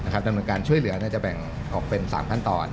ดำเนินการช่วยเหลือจะแบ่งออกเป็น๓ขั้นตอน